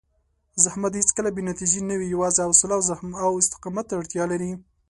زحمت هېڅکله بې نتیجې نه وي، یوازې حوصله او استقامت ته اړتیا لري.